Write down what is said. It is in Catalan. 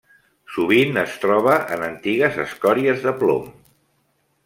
Sovint es troba en antigues escòries de plom.